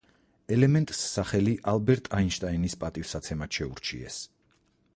ელემენტს სახელი ალბერტ აინშტაინის პატივსაცემად შეურჩიეს.